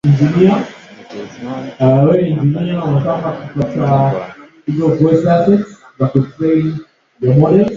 It is known for the nearby classical temple.